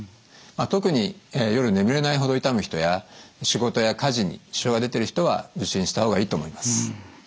特に夜眠れないほど痛む人や仕事や家事に支障が出てる人は受診した方がいいと思います。